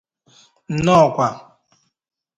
Nnọkwa